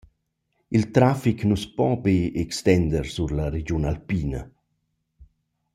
Il trafic nu’s po be extender sur la regiun alpina.